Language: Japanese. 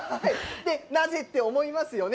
なぜって思いますよね。